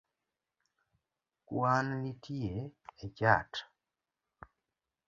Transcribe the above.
kwan manitie e chat